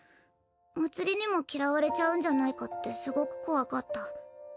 まつりにも嫌われちゃうんじゃないかってすごく怖かった。